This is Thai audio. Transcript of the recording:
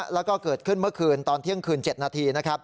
แล้วก็เกิดขึ้นเมื่อคืนตอนเที่ยงคืน๗นาทีนะครับ